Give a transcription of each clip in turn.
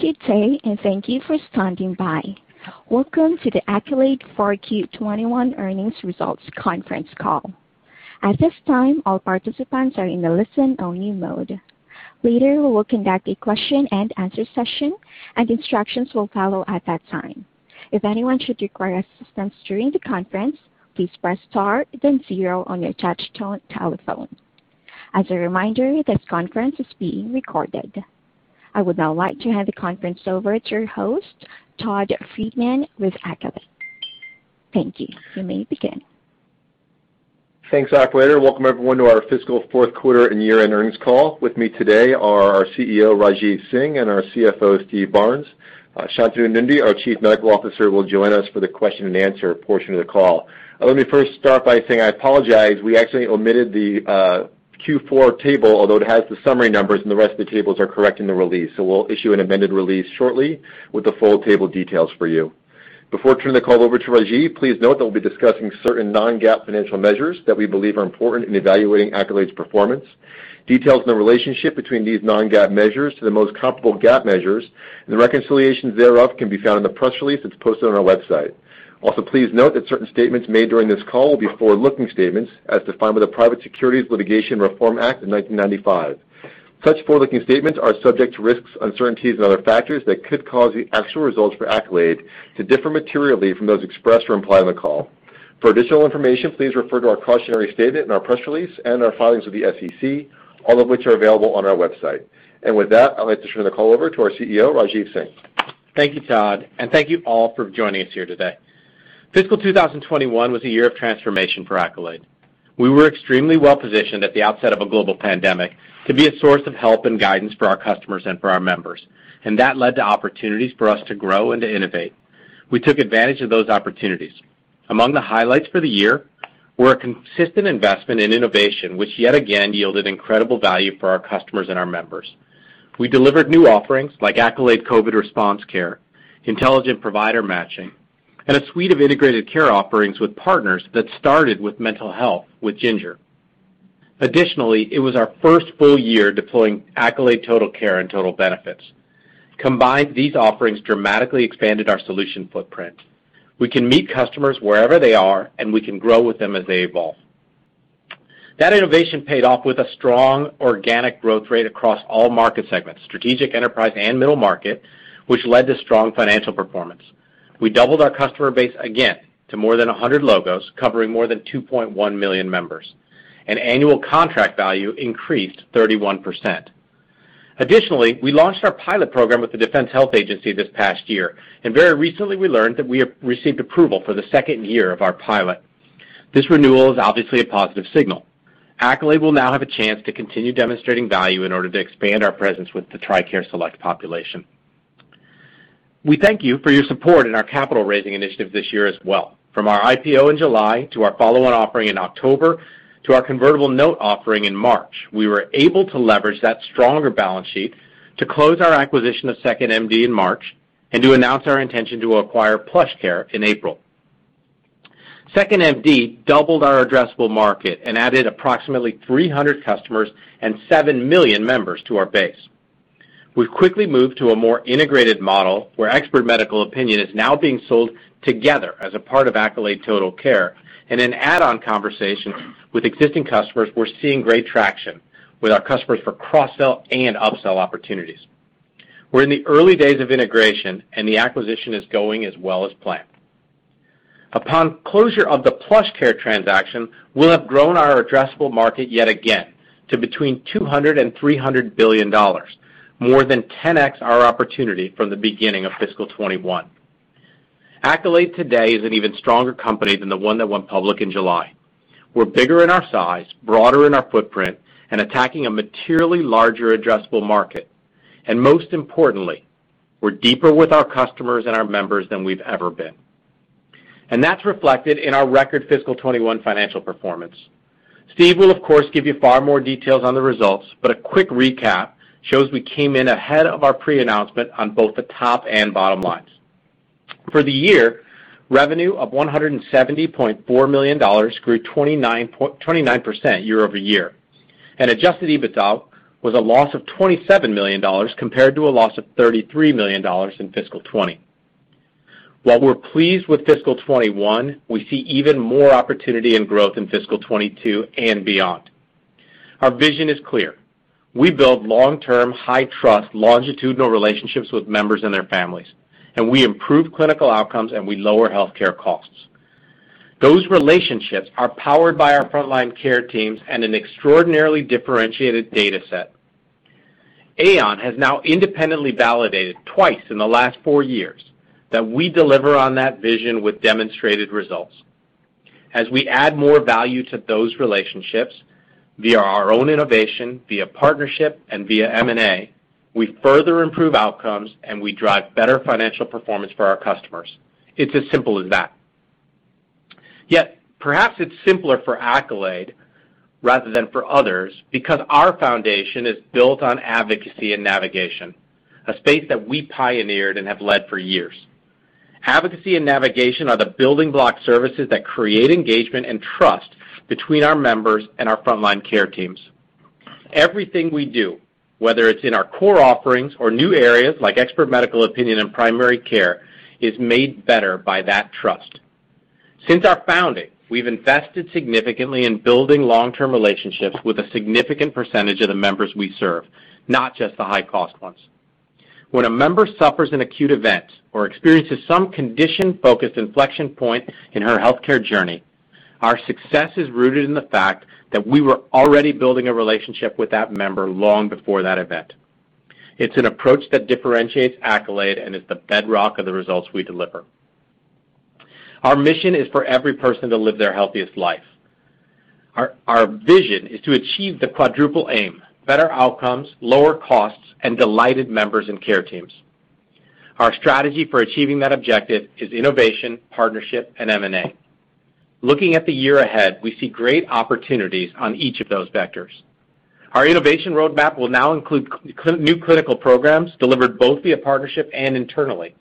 Good day, and thank you for standing by. Welcome to the Accolade 4Q 2021 Earnings Results Conference Call. At this time, all participants are in a listen-only mode. Later, we will conduct a question and answer session, and instructions will follow at that time. If anyone should require assistance during the conference, please press star then zero on your touch-tone telephone. As a reminder, this conference is being recorded. I would now like to hand the conference over to your host, Todd Friedman, with Accolade. Thank you. You may begin. Thanks, operator. Welcome, everyone, to our fiscal fourth quarter and year-end earnings call. With me today are our CEO, Rajeev Singh, and our CFO, Steve Barnes. Shantanu Nundy, our Chief Medical Officer, will join us for the question and answer portion of the call. Let me first start by saying I apologize. We accidentally omitted the Q4 table, although it has the summary numbers, and the rest of the tables are correct in the release. We'll issue an amended release shortly with the full table details for you. Before turning the call over to Rajeev, please note that we'll be discussing certain non-GAAP financial measures that we believe are important in evaluating Accolade's performance. Details and the relationship between these non-GAAP measures to the most comparable GAAP measures and the reconciliations thereof can be found in the press release that's posted on our website. Also, please note that certain statements made during this call will be forward-looking statements as defined by the Private Securities Litigation Reform Act of 1995. Such forward-looking statements are subject to risks, uncertainties, and other factors that could cause the actual results for Accolade to differ materially from those expressed or implied on the call. For additional information, please refer to our cautionary statement in our press release and our filings with the SEC, all of which are available on our website. With that, I'd like to turn the call over to our CEO, Rajeev Singh. Thank you, Todd, and thank you all for joining us here today. Fiscal 2021 was a year of transformation for Accolade. We were extremely well-positioned at the outset of a global pandemic to be a source of help and guidance for our customers and for our members, and that led to opportunities for us to grow and to innovate. We took advantage of those opportunities. Among the highlights for the year were a consistent investment in innovation, which yet again yielded incredible value for our customers and our members. We delivered new offerings like Accolade COVID Response Care, Intelligent Provider Matching, and a suite of integrated care offerings with partners that started with mental health with Ginger. Additionally, it was our first full year deploying Accolade Total Care and Total Benefits. Combined, these offerings dramatically expanded our solution footprint. We can meet customers wherever they are, and we can grow with them as they evolve. That innovation paid off with a strong organic growth rate across all market segments, strategic, enterprise, and middle market, which led to strong financial performance. We doubled our customer base again to more than 100 logos, covering more than 2.1 million members, and annual contract value increased 31%. Additionally, we launched our pilot program with the Defense Health Agency this past year, and very recently we learned that we have received approval for the second year of our pilot. This renewal is obviously a positive signal. Accolade will now have a chance to continue demonstrating value in order to expand our presence with the TRICARE Select population. We thank you for your support in our capital raising initiative this year as well. From our IPO in July to our follow-on offering in October to our convertible note offering in March, we were able to leverage that stronger balance sheet to close our acquisition of 2nd.MD in March and to announce our intention to acquire PlushCare in April. 2nd.MD doubled our addressable market and added approximately 300 customers and 7 million members to our base. We've quickly moved to a more integrated model where expert medical opinion is now being sold together as a part of Accolade Total Care. In an add-on conversation with existing customers, we're seeing great traction with our customers for cross-sell and upsell opportunities. We're in the early days of integration, and the acquisition is going as well as planned. Upon closure of the PlushCare transaction, we'll have grown our addressable market yet again to between $200 billion and $300 billion, more than 10x our opportunity from the beginning of fiscal 2021. Accolade today is an even stronger company than the one that went public in July. We're bigger in our size, broader in our footprint, attacking a materially larger addressable market. Most importantly, we're deeper with our customers and our members than we've ever been. That's reflected in our record fiscal 2021 financial performance. Steve will, of course, give you far more details on the results. A quick recap shows we came in ahead of our pre-announcement on both the top and bottom lines. For the year, revenue of $170.4 million grew 29% year-over-year. Adjusted EBITDA was a loss of $27 million, compared to a loss of $33 million in fiscal 2020. While we're pleased with fiscal 2021, we see even more opportunity and growth in fiscal 2022 and beyond. Our vision is clear. We build long-term, high-trust, longitudinal relationships with members and their families, and we improve clinical outcomes, and we lower healthcare costs. Those relationships are powered by our frontline care teams and an extraordinarily differentiated data set. Aon has now independently validated twice in the last four years that we deliver on that vision with demonstrated results. As we add more value to those relationships via our own innovation, via partnership, and via M&A, we further improve outcomes, and we drive better financial performance for our customers. It's as simple as that. Yet, perhaps it's simpler for Accolade rather than for others because our foundation is built on advocacy and navigation, a space that we pioneered and have led for years. Advocacy and navigation are the building block services that create engagement and trust between our members and our frontline care teams. Everything we do, whether it's in our core offerings or new areas like expert medical opinion and primary care, is made better by that trust. Since our founding, we've invested significantly in building long-term relationships with a significant percentage of the members we serve, not just the high-cost ones. When a member suffers an acute event or experiences some condition-focused inflection point in her healthcare journey, our success is rooted in the fact that we were already building a relationship with that member long before that event. It's an approach that differentiates Accolade and is the bedrock of the results we deliver. Our mission is for every person to live their healthiest life. Our vision is to achieve the Quadruple Aim, better outcomes, lower costs, and delighted members and care teams. Our strategy for achieving that objective is innovation, partnership, and M&A. Looking at the year ahead, we see great opportunities on each of those vectors. Our innovation roadmap will now include new clinical programs delivered both via partnership and internally.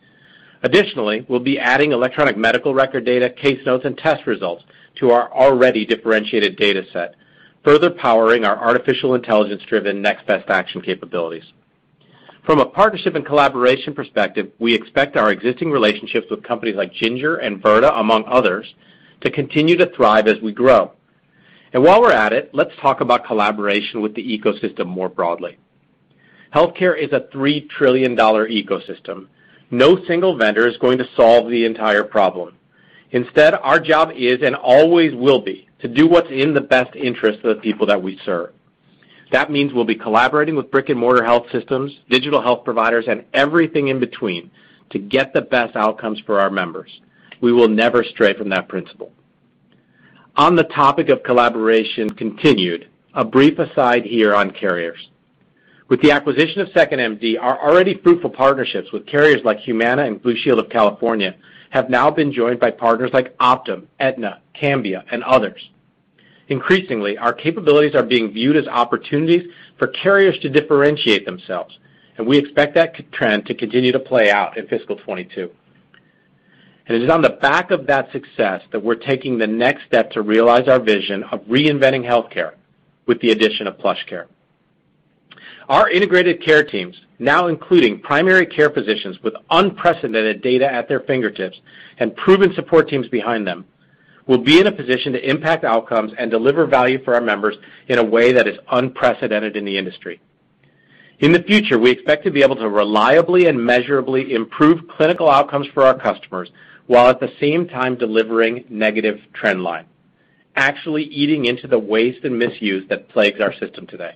Additionally, we'll be adding electronic medical record data, case notes, and test results to our already differentiated data set, further powering our artificial intelligence-driven next best action capabilities. From a partnership and collaboration perspective, we expect our existing relationships with companies like Ginger and Virta, among others, to continue to thrive as we grow. While we're at it, let's talk about collaboration with the ecosystem more broadly. Healthcare is a $3 trillion ecosystem. No single vendor is going to solve the entire problem. Instead, our job is and always will be to do what's in the best interest of the people that we serve. That means we'll be collaborating with brick-and-mortar health systems, digital health providers, and everything in between to get the best outcomes for our members. We will never stray from that principle. On the topic of collaboration continued, a brief aside here on carriers. With the acquisition of 2nd.MD, our already fruitful partnerships with carriers like Humana and Blue Shield of California have now been joined by partners like Optum, Aetna, Cambia, and others. Increasingly, our capabilities are being viewed as opportunities for carriers to differentiate themselves, and we expect that trend to continue to play out in fiscal 2022. It is on the back of that success that we're taking the next step to realize our vision of reinventing healthcare with the addition of PlushCare. Our integrated care teams, now including primary care physicians with unprecedented data at their fingertips and proven support teams behind them, will be in a position to impact outcomes and deliver value for our members in a way that is unprecedented in the industry. In the future, we expect to be able to reliably and measurably improve clinical outcomes for our customers, while at the same time delivering negative trend line, actually eating into the waste and misuse that plagues our system today.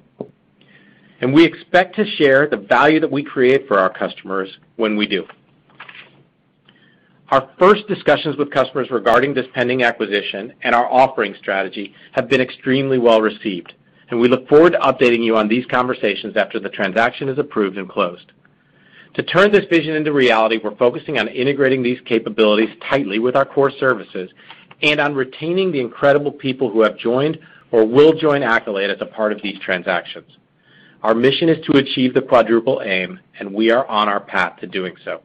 We expect to share the value that we create for our customers when we do. Our first discussions with customers regarding this pending acquisition and our offering strategy have been extremely well-received, and we look forward to updating you on these conversations after the transaction is approved and closed. To turn this vision into reality, we're focusing on integrating these capabilities tightly with our core services and on retaining the incredible people who have joined or will join Accolade as a part of these transactions. Our mission is to achieve the Quadruple Aim, and we are on our path to doing so.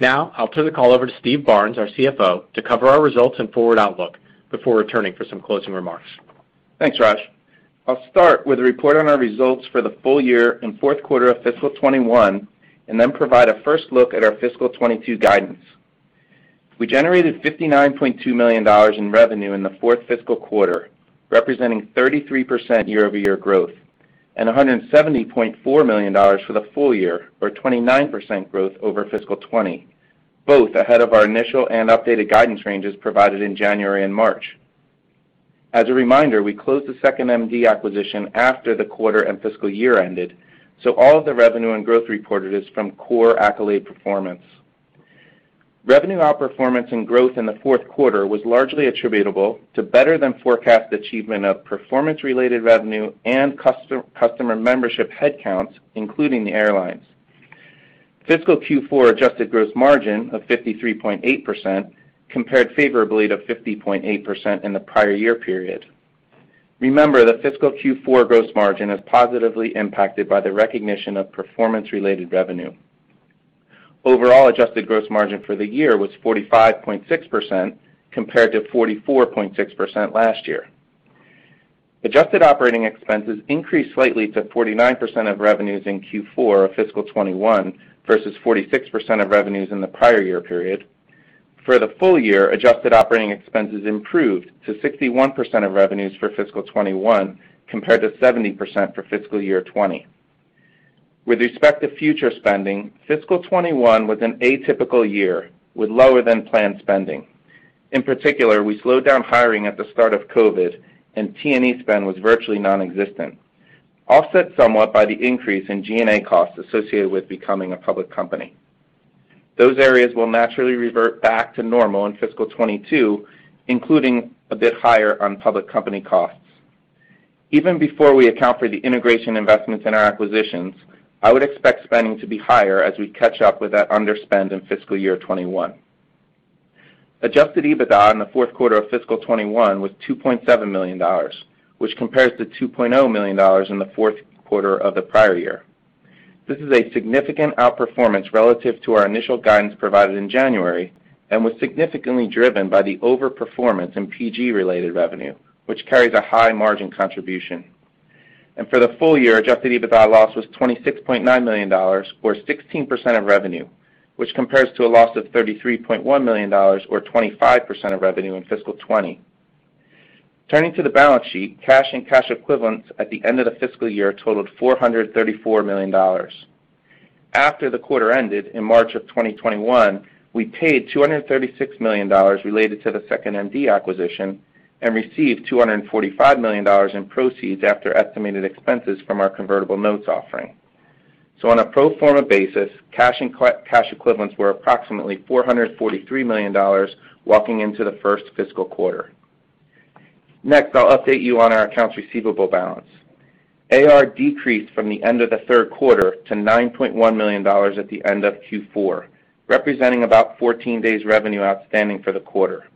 I'll turn the call over to Steve Barnes, our CFO, to cover our results and forward outlook before returning for some closing remarks. Thanks, Raj. I'll start with a report on our results for the full year and fourth quarter of fiscal 2021, and then provide a first look at our fiscal 2022 guidance. We generated $59.2 million in revenue in the fourth fiscal quarter, representing 33% year-over-year growth, and $170.4 million for the full year, or 29% growth over fiscal 2020, both ahead of our initial and updated guidance ranges provided in January and March. As a reminder, we closed the 2nd.MD acquisition after the quarter and fiscal year ended, so all of the revenue and growth reported is from core Accolade performance. Revenue outperformance and growth in the fourth quarter was largely attributable to better than forecast achievement of performance-related revenue and customer membership headcounts, including the airlines. Fiscal Q4 adjusted gross margin of 53.8% compared favorably to 50.8% in the prior year period. Remember that fiscal Q4 gross margin is positively impacted by the recognition of performance-related revenue. Overall adjusted gross margin for the year was 45.6%, compared to 44.6% last year. Adjusted operating expenses increased slightly to 49% of revenues in Q4 of fiscal 2021, versus 46% of revenues in the prior year period. For the full year, adjusted operating expenses improved to 61% of revenues for fiscal 2021, compared to 70% for fiscal year 2020. With respect to future spending, fiscal 2021 was an atypical year with lower than planned spending. In particular, we slowed down hiring at the start of COVID, and T&E spend was virtually nonexistent, offset somewhat by the increase in G&A costs associated with becoming a public company. Those areas will naturally revert back to normal in fiscal 2022, including a bit higher on public company costs. Even before we account for the integration investments in our acquisitions, I would expect spending to be higher as we catch up with that underspend in fiscal year 2021. Adjusted EBITDA in the fourth quarter of fiscal 2021 was $2.7 million, which compares to $2.0 million in the fourth quarter of the prior year. This is a significant outperformance relative to our initial guidance provided in January, and was significantly driven by the overperformance in PG-related revenue, which carries a high margin contribution. For the full year, Adjusted EBITDA loss was $26.9 million, or 16% of revenue, which compares to a loss of $33.1 million, or 25% of revenue in fiscal 2020. Turning to the balance sheet, cash and cash equivalents at the end of the fiscal year totaled $434 million. After the quarter ended in March of 2021, we paid $236 million related to the 2nd.MD acquisition and received $245 million in proceeds after estimated expenses from our convertible notes offering. On a pro forma basis, cash equivalents were approximately $443 million walking into the first fiscal quarter. Next, I'll update you on our accounts receivable balance. AR decreased from the end of the third quarter to $9.1 million at the end of Q4, representing about 14 days' revenue outstanding for the quarter.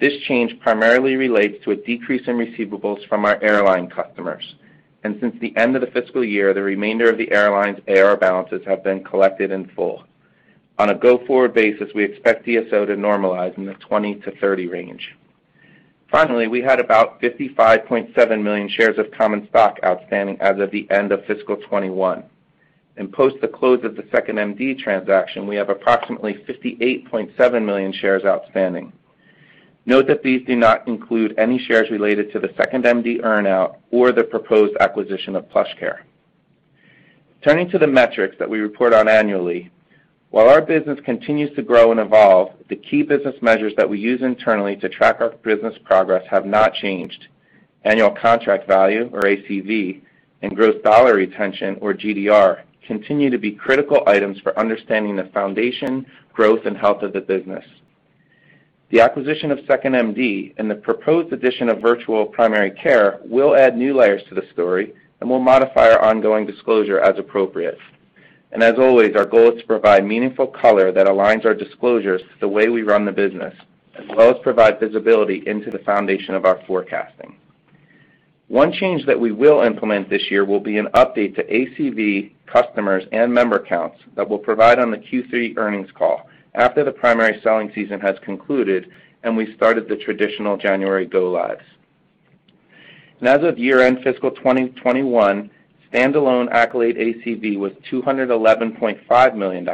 This change primarily relates to a decrease in receivables from our airline customers, and since the end of the fiscal year, the remainder of the airline's AR balances have been collected in full. On a go-forward basis, we expect DSO to normalize in the 20-30 range. Finally, we had about 55.7 million shares of common stock outstanding as of the end of fiscal 2021. Post the close of the 2nd.MD transaction, we have approximately $58.7 million shares outstanding. Note that these do not include any shares related to the 2nd.MD earn-out or the proposed acquisition of PlushCare. Turning to the metrics that we report on annually, while our business continues to grow and evolve, the key business measures that we use internally to track our business progress have not changed. Annual Contract Value, or ACV, and Gross Dollar Retention, or GDR, continue to be critical items for understanding the foundation, growth, and health of the business. The acquisition of 2nd.MD and the proposed addition of virtual primary care will add new layers to the story and will modify our ongoing disclosure as appropriate. As always, our goal is to provide meaningful color that aligns our disclosures to the way we run the business, as well as provide visibility into the foundation of our forecasting. One change that we will implement this year will be an update to ACV customers and member counts that we'll provide on the Q3 earnings call after the primary selling season has concluded and we've started the traditional January go-lives. As of year-end fiscal 2021, standalone Accolade ACV was $211.5 million,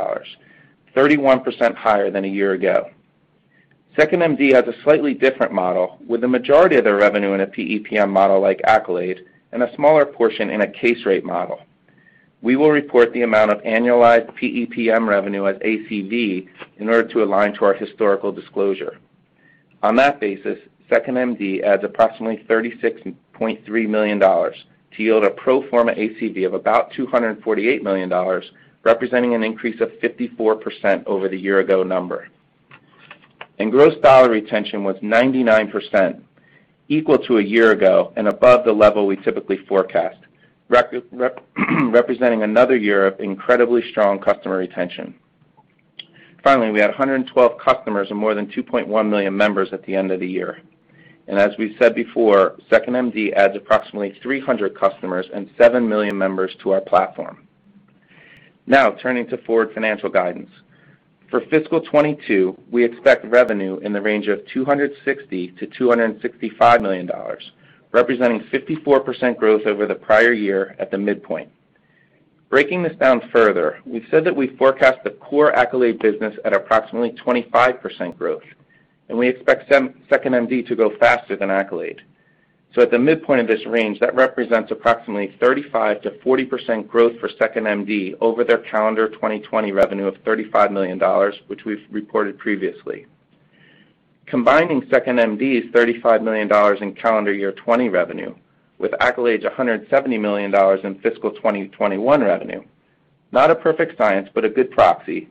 31% higher than a year ago. 2nd.MD has a slightly different model, with the majority of their revenue in a PEPM model like Accolade and a smaller portion in a case rate model. We will report the amount of annualized PEPM revenue as ACV in order to align to our historical disclosure. On that basis, 2nd.MD adds approximately $36.3 million to yield a pro forma ACV of about $248 million, representing an increase of 54% over the year ago number. Gross dollar retention was 99%, equal to a year ago, and above the level we typically forecast, representing another year of incredibly strong customer retention. Finally, we had 112 customers and more than 2.1 million members at the end of the year. As we've said before, 2nd.MD adds approximately 300 customers and 7 million members to our platform. Now, turning to forward financial guidance. For fiscal 2022, we expect revenue in the range of $260 million-$265 million, representing 54% growth over the prior year at the midpoint. Breaking this down further, we've said that we forecast the core Accolade business at approximately 25% growth, and we expect 2nd.MD to go faster than Accolade. At the midpoint of this range, that represents approximately 35%-40% growth for 2nd.MD over their calendar 2020 revenue of $35 million, which we've reported previously. Combining 2nd.MD's $35 million in calendar year 2020 revenue with Accolade's $170 million in fiscal 2021 revenue, not a perfect science, but a good proxy,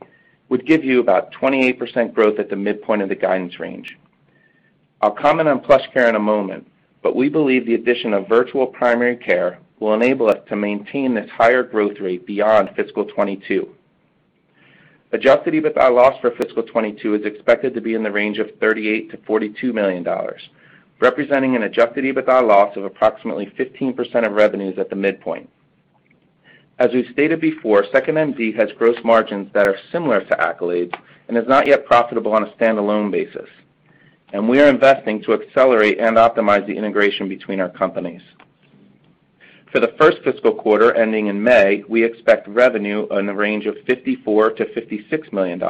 would give you about 28% growth at the midpoint of the guidance range. I'll comment on PlushCare in a moment. We believe the addition of virtual primary care will enable us to maintain this higher growth rate beyond fiscal 2022. Adjusted EBITDA loss for fiscal 2022 is expected to be in the range of $38 million-$42 million, representing an adjusted EBITDA loss of approximately 15% of revenues at the midpoint. As we've stated before, 2nd.MD has gross margins that are similar to Accolade's and is not yet profitable on a standalone basis. We are investing to accelerate and optimize the integration between our companies. For the first fiscal quarter ending in May, we expect revenue in the range of $54 million-$56 million,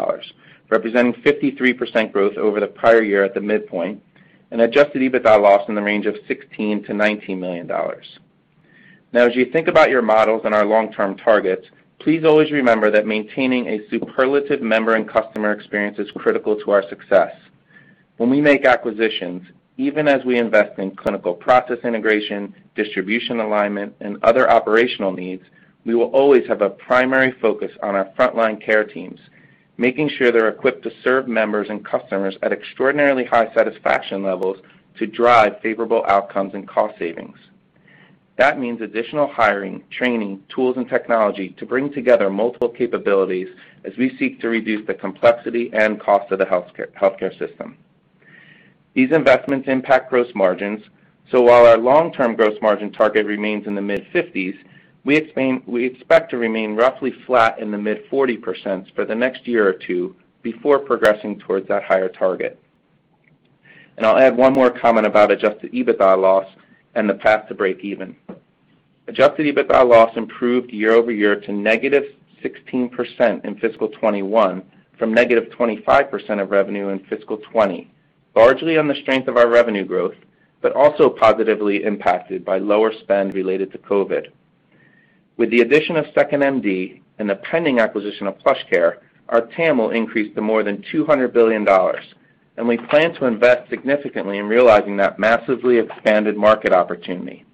representing 53% growth over the prior year at the midpoint, and adjusted EBITDA loss in the range of $16 million-$19 million. Now as you think about your models and our long-term targets, please always remember that maintaining a superlative member and customer experience is critical to our success. When we make acquisitions, even as we invest in clinical process integration, distribution alignment, and other operational needs, we will always have a primary focus on our frontline care teams, making sure they're equipped to serve members and customers at extraordinarily high satisfaction levels to drive favorable outcomes and cost savings. That means additional hiring, training, tools, and technology to bring together multiple capabilities as we seek to reduce the complexity and cost of the healthcare system. These investments impact gross margins. While our long-term gross margin target remains in the mid-50s, we expect to remain roughly flat in the mid-40% for the next year or two before progressing towards that higher target. I'll add one more comment about adjusted EBITDA loss and the path to breakeven. Adjusted EBITDA loss improved year-over-year to -16% in fiscal 2021 from -25% of revenue in fiscal 2020, largely on the strength of our revenue growth, but also positively impacted by lower spend related to COVID. With the addition of 2nd.MD and the pending acquisition of PlushCare, our TAM will increase to more than $200 billion, we plan to invest significantly in realizing that massively expanded market opportunity.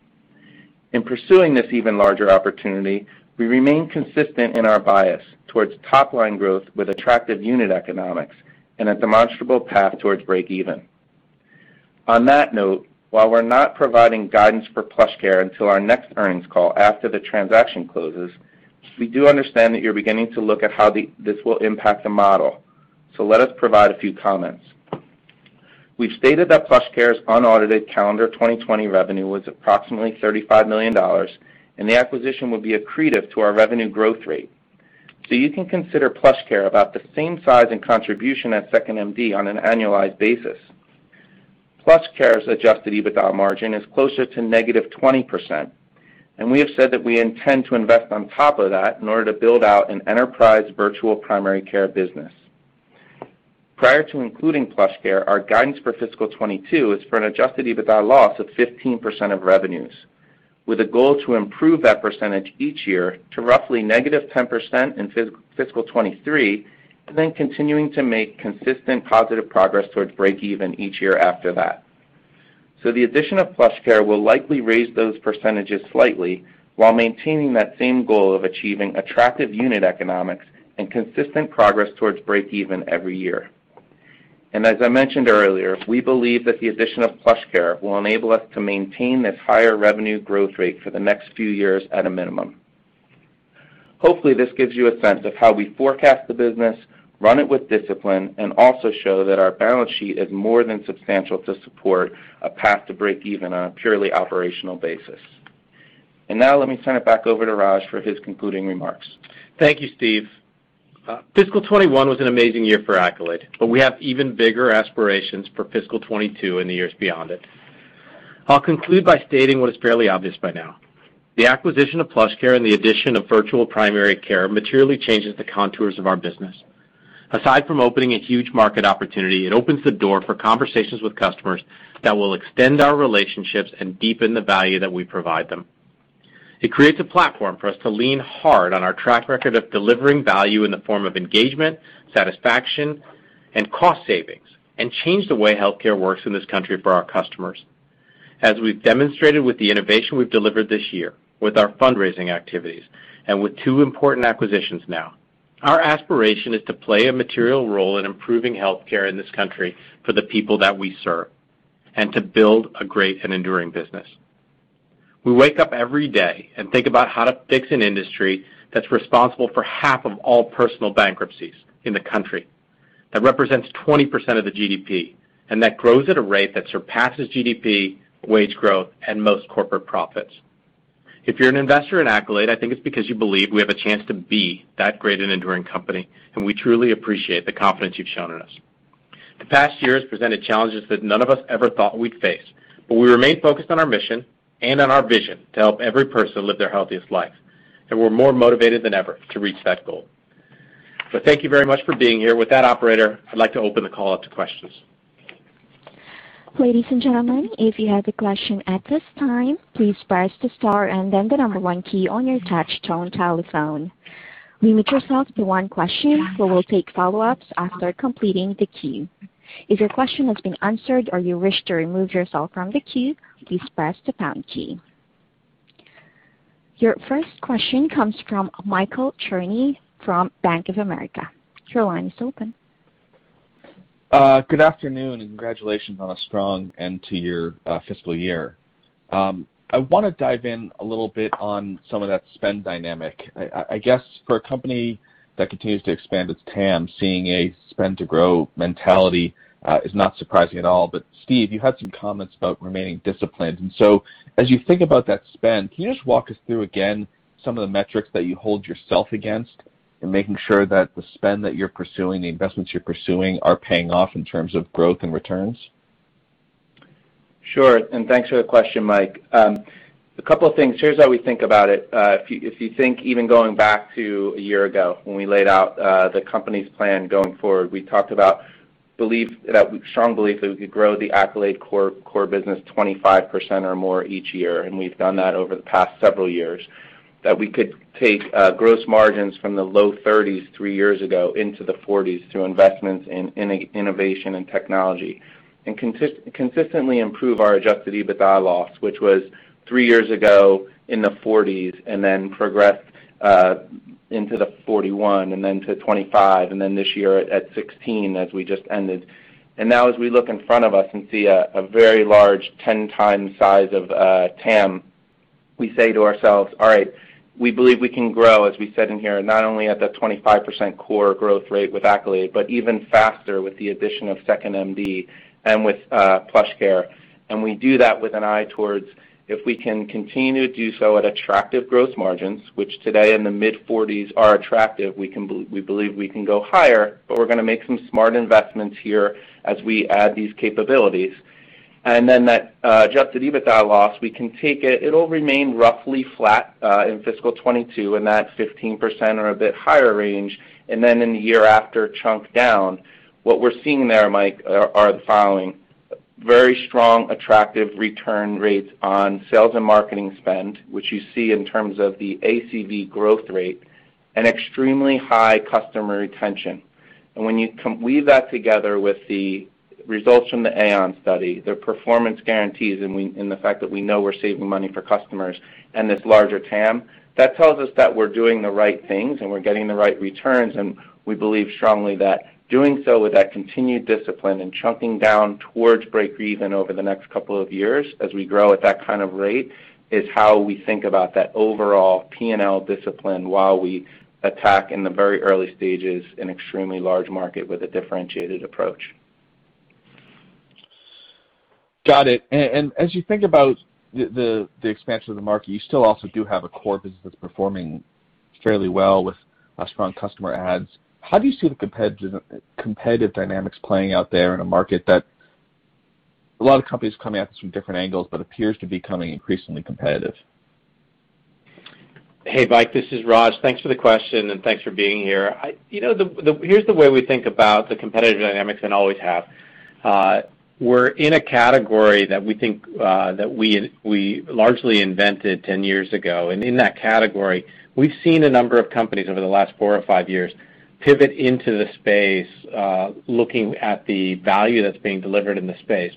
In pursuing this even larger opportunity, we remain consistent in our bias towards top-line growth with attractive unit economics and a demonstrable path towards breakeven. On that note, while we're not providing guidance for PlushCare until our next earnings call after the transaction closes, we do understand that you're beginning to look at how this will impact the model. Let us provide a few comments. We've stated that PlushCare's unaudited calendar 2020 revenue was approximately $35 million, and the acquisition will be accretive to our revenue growth rate. You can consider PlushCare about the same size and contribution as 2nd.MD on an annualized basis. PlushCare's adjusted EBITDA margin is closer to -20%, and we have said that we intend to invest on top of that in order to build out an enterprise virtual primary care business. Prior to including PlushCare, our guidance for fiscal 2022 is for an adjusted EBITDA loss of 15% of revenues, with a goal to improve that percentage each year to roughly -10% in fiscal 2023, and then continuing to make consistent positive progress towards breakeven each year after that. The addition of PlushCare will likely raise those percentages slightly while maintaining that same goal of achieving attractive unit economics and consistent progress towards breakeven every year. As I mentioned earlier, we believe that the addition of PlushCare will enable us to maintain this higher revenue growth rate for the next few years at a minimum. Hopefully, this gives you a sense of how we forecast the business, run it with discipline, and also show that our balance sheet is more than substantial to support a path to breakeven on a purely operational basis. Now let me turn it back over to Raj for his concluding remarks. Thank you, Steve. Fiscal 2021 was an amazing year for Accolade. We have even bigger aspirations for fiscal 2022 and the years beyond it. I'll conclude by stating what is fairly obvious by now. The acquisition of PlushCare and the addition of virtual primary care materially changes the contours of our business. Aside from opening a huge market opportunity, it opens the door for conversations with customers that will extend our relationships and deepen the value that we provide them. It creates a platform for us to lean hard on our track record of delivering value in the form of engagement, satisfaction, and cost savings, and change the way healthcare works in this country for our customers. As we've demonstrated with the innovation we've delivered this year with our fundraising activities and with two important acquisitions now, our aspiration is to play a material role in improving healthcare in this country for the people that we serve and to build a great and enduring business. We wake up every day and think about how to fix an industry that's responsible for half of all personal bankruptcies in the country, that represents 20% of the GDP, and that grows at a rate that surpasses GDP, wage growth, and most corporate profits. If you're an investor in Accolade, I think it's because you believe we have a chance to be that great and enduring company, and we truly appreciate the confidence you've shown in us. The past year has presented challenges that none of us ever thought we'd face, but we remain focused on our mission and on our vision to help every person live their healthiest life, and we're more motivated than ever to reach that goal. Thank you very much for being here. With that, operator, I'd like to open the call up to questions. Ladies and gentlemen, if you have a question at this time, please press the star and then the number one key on your touch-tone telephone. Limit yourself to one question, for we'll take follow-ups after completing the queue. If your question has been answered or you wish to remove yourself from the queue, please press the pound key. Your first question comes from Michael Cherny from Bank of America. Your line is open. Good afternoon. Congratulations on a strong end to your fiscal year. I want to dive in a little bit on some of that spend dynamic. I guess for a company that continues to expand its TAM, seeing a spend-to-grow mentality is not surprising at all. Steve, you had some comments about remaining disciplined. As you think about that spend, can you just walk us through again some of the metrics that you hold yourself against in making sure that the spend that you're pursuing, the investments you're pursuing, are paying off in terms of growth and returns? Sure, thanks for the question, Mike. A couple of things. Here's how we think about it. If you think even going back to a year ago when we laid out the company's plan going forward, we talked about belief that strong belief that we could grow the Accolade core business 25% or more each year, and we've done that over the past several years. We could take gross margins from the low 30s three years ago into the 40s through investments in innovation and technology and consistently improve our adjusted EBITDA loss, which was three years ago in the 40s and then progressed into the 41, and then to 25, and then this year at 16, as we just ended. Now as we look in front of us and see a very large, 10x size of TAM, we say to ourselves, "All right, we believe we can grow," as we said in here, not only at that 25% core growth rate with Accolade, but even faster with the addition of 2nd.MD and with PlushCare. We do that with an eye towards, if we can continue to do so at attractive growth margins, which today in the mid-40s are attractive, we believe we can go higher, but we're going to make some smart investments here as we add these capabilities. Then that adjusted EBITDA loss, we can take it. It'll remain roughly flat in fiscal 2022, in that 15% or a bit higher range, and then in the year after, chunk down. What we're seeing there, Mike, are the following. Very strong, attractive return rates on sales and marketing spend, which you see in terms of the ACV growth rate, and extremely high customer retention. When you weave that together with the results from the Aon study, the performance guarantees, and the fact that we know we're saving money for customers and this larger TAM, that tells us that we're doing the right things and we're getting the right returns. We believe strongly that doing so with that continued discipline and chunking down towards break even over the next couple of years, as we grow at that kind of rate, is how we think about that overall P&L discipline while we attack, in the very early stages, an extremely large market with a differentiated approach. Got it. As you think about the expansion of the market, you still also do have a core business that's performing fairly well with strong customer adds. How do you see the competitive dynamics playing out there in a market that a lot of companies are coming at this from different angles, but appears to be becoming increasingly competitive? Hey, Mike, this is Raj. Thanks for the question and thanks for being here. Here's the way we think about the competitive dynamics and always have. We're in a category that we think that we largely invented 10 years ago, and in that category, we've seen a number of companies over the last four or five years pivot into the space, looking at the value that's being delivered in the space.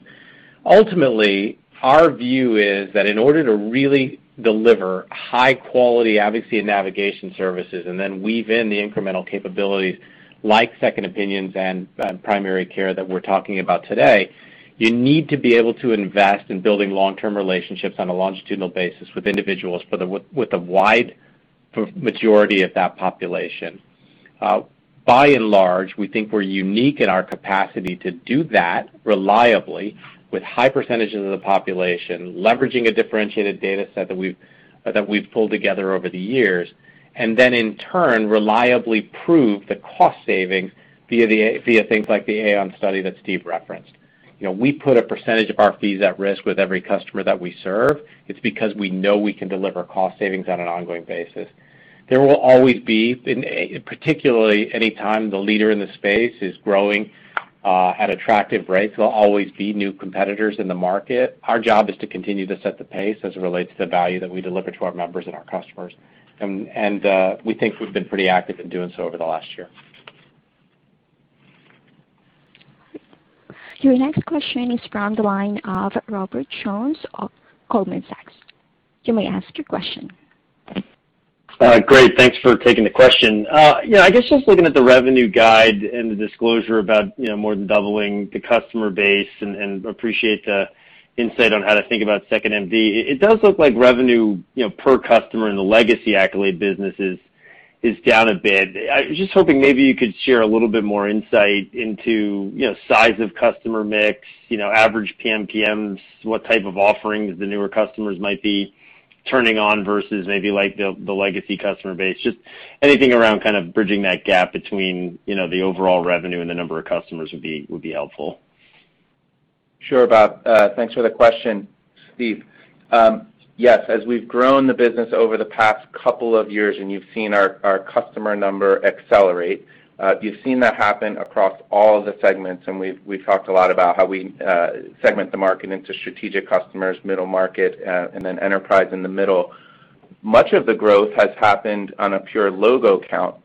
Ultimately, our view is that in order to really deliver high quality advocacy and navigation services, and then weave in the incremental capabilities like second opinions and primary care that we're talking about today, you need to be able to invest in building long-term relationships on a longitudinal basis with individuals, with a wide majority of that population. By and large, we think we're unique in our capacity to do that reliably with high percentages of the population, leveraging a differentiated data set that we've pulled together over the years. In turn, reliably prove the cost savings via things like the Aon study that Steve referenced. We put a percentage of our fees at risk with every customer that we serve. It's because we know we can deliver cost savings on an ongoing basis. There will always be, particularly any time the leader in the space is growing at attractive rates, there'll always be new competitors in the market. Our job is to continue to set the pace as it relates to the value that we deliver to our members and our customers. We think we've been pretty active in doing so over the last year. Your next question is from the line of Robert Jones of Goldman Sachs. You may ask your question. Great. Thanks for taking the question. I guess just looking at the revenue guide and the disclosure about more than doubling the customer base, and appreciate the insight on how to think about 2nd.MD. It does look like revenue per customer in the legacy Accolade business is down a bit. I was just hoping maybe you could share a little bit more insight into size of customer mix, average PMPMs, what type of offerings the newer customers might be turning on versus maybe like the legacy customer base. Just anything around kind of bridging that gap between the overall revenue and the number of customers would be helpful. Sure, Bob. Thanks for the question. Steve. As we've grown the business over the past couple of years, and you've seen our customer number accelerate, you've seen that happen across all the segments, and we've talked a lot about how we segment the market into strategic customers, middle market, and then enterprise in the middle. Much of the growth has happened on a pure logo count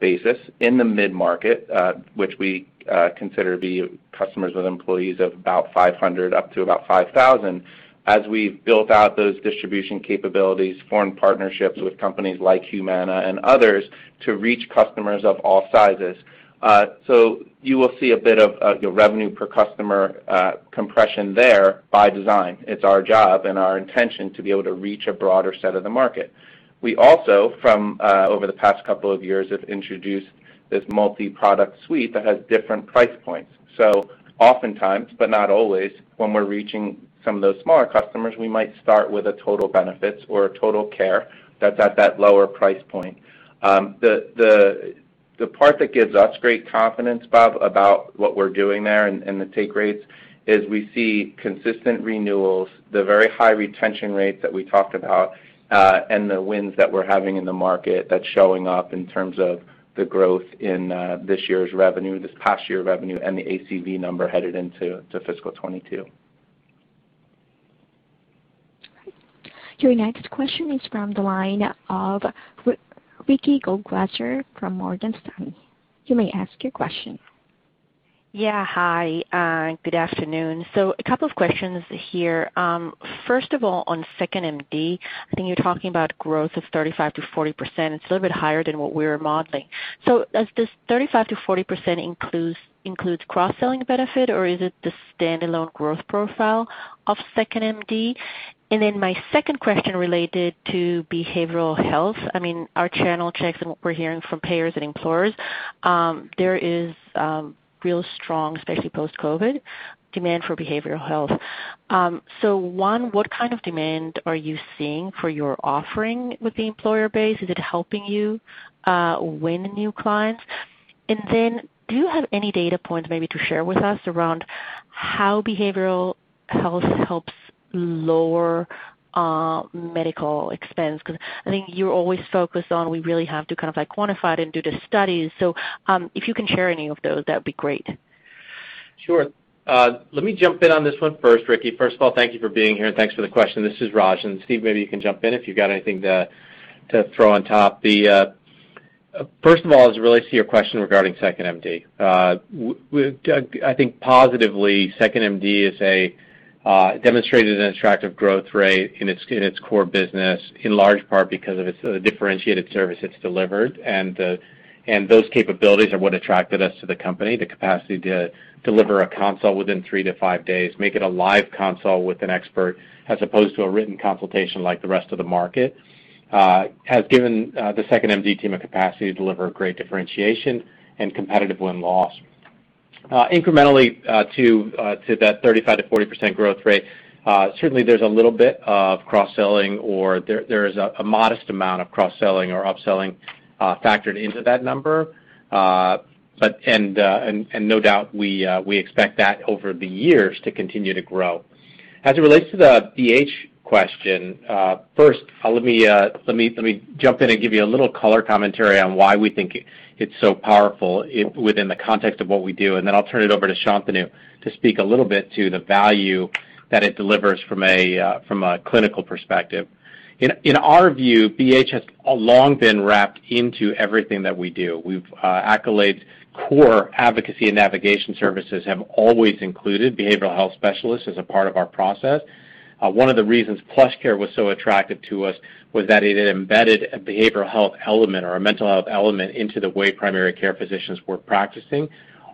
basis in the mid-market, which we consider to be customers with employees of about 500 up to about 5,000, as we've built out those distribution capabilities, formed partnerships with companies like Humana and others to reach customers of all sizes. You will see a bit of revenue per customer compression there by design. It's our job and our intention to be able to reach a broader set of the market. We also, from over the past couple of years, have introduced this multi-product suite that has different price points. Oftentimes, but not always, when we're reaching some of those smaller customers, we might start with a Accolade Total Benefits or a Accolade Total Care that's at that lower price point. The part that gives us great confidence, Bob, about what we're doing there and the take rates, is we see consistent renewals, the very high retention rates that we talked about, and the wins that we're having in the market that's showing up in terms of the growth in this year's revenue, this past year revenue, and the ACV number headed into fiscal 2022. Your next question is from the line of Ricky Goldwasser from Morgan Stanley. You may ask your question. Yeah. Hi, good afternoon. A couple of questions here. First of all, on 2nd.MD, I think you're talking about growth of 35%-40%. It's a little bit higher than what we're modeling. Does this 35%-40% includes cross-selling benefit or is it the standalone growth profile of 2nd.MD? My second question related to behavioral health. Our channel checks and what we're hearing from payers and employers, there is real strong, especially post-COVID, demand for behavioral health. One, what kind of demand are you seeing for your offering with the employer base? Is it helping you win new clients? Do you have any data points maybe to share with us around how behavioral health helps lower medical expense? I think you're always focused on, we really have to kind of like quantify it and do the studies. If you can share any of those, that'd be great. Sure. Let me jump in on this one first, Ricky. First of all, thank you for being here, and thanks for the question. This is Raj. Steve, maybe you can jump in if you've got anything to throw on top. First of all, as it relates to your question regarding 2nd.MD. I think positively 2nd.MD has demonstrated an attractive growth rate in its core business, in large part because of its differentiated service it's delivered. Those capabilities are what attracted us to the company. The capacity to deliver a consult within three to five days, make it a live consult with an expert as opposed to a written consultation like the rest of the market, has given the 2nd.MD team a capacity to deliver great differentiation and competitive win-loss. Incrementally, to that 35%-40% growth rate, certainly there's a little bit of cross-selling, or there is a modest amount of cross-selling or upselling factored into that number. No doubt, we expect that over the years to continue to grow. As it relates to the BH question, first, let me jump in and give you a little color commentary on why we think it's so powerful within the context of what we do, and then I'll turn it over to Shantanu to speak a little bit to the value that it delivers from a clinical perspective. In our view, BH has long been wrapped into everything that we do. Accolade's core advocacy and navigation services have always included behavioral health specialists as a part of our process. One of the reasons PlushCare was so attractive to us was that it embedded a behavioral health element or a mental health element into the way primary care physicians were practicing,